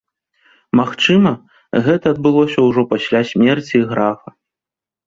Магчыма, гэта адбылося ўжо пасля смерці графа.